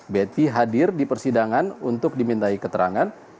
betty hadir di persidangan untuk dimintai keterangan